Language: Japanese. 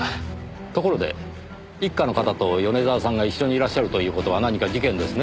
ところで１課の方と米沢さんが一緒にいらっしゃるという事は何か事件ですね。